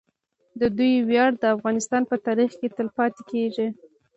د دوی ویاړ د افغانستان په تاریخ کې تل پاتې کیږي.